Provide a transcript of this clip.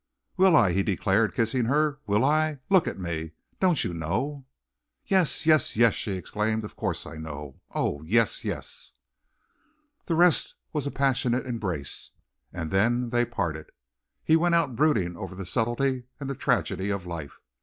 "Will I!" he declared, kissing her, "will I? Look at me. Don't you know?" "Yes! Yes! Yes!" she exclaimed, "of course I know. Oh, yes! yes!" The rest was a passionate embrace. And then they parted. He went out brooding over the subtlety and the tragedy of life.